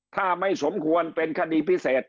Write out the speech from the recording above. ถ้าไม่สมควรเป็นคดีพิเศษ